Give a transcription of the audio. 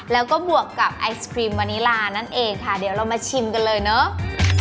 แล้วก็บวกกับไอศครีมวานิลานั่นเองค่ะเดี๋ยวเรามาชิมกันเลยเนอะ